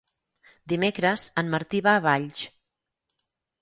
Dimecres en Martí va a Valls.